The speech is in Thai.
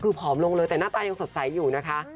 คือผอมลงเลยแต่หน้าตายังสดใสอยู่นะคะ